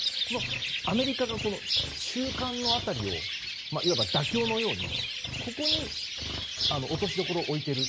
アメリカが中間の辺りをいわば妥協のように落としどころを置いている。